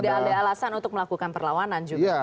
tidak ada alasan untuk melakukan perlawanan juga